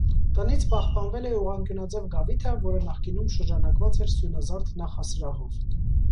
Տնից պահպանվել է ուղղանկյունաձև գավիթը, որը նախկինում շրջանակված էր սյունազարդ նախասրահով։